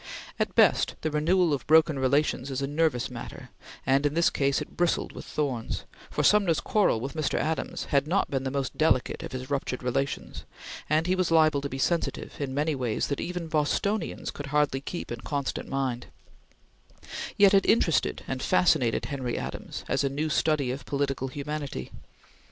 At best, the renewal of broken relations is a nervous matter, and in this case it bristled with thorns, for Sumner's quarrel with Mr. Adams had not been the most delicate of his ruptured relations, and he was liable to be sensitive in many ways that even Bostonians could hardly keep in constant mind; yet it interested and fascinated Henry Adams as a new study of political humanity.